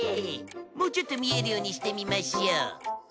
もうちょっと見えるようにしてみましょう。